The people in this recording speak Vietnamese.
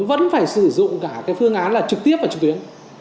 vẫn phải sử dụng cả cái phương án là trực tiếp và trực tuyến